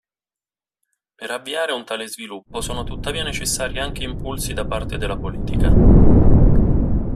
Per avviare un tale sviluppo sono tuttavia necessari anche impulsi da parte della politica.